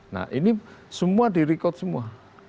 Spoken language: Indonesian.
nah ini semua di record semua